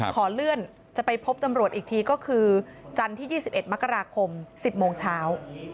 ขอเลื่อนจะไปพบตำรวจอีกทีก็คือจันทร์ที่๒๑มกราคม๑๐โมงเช้า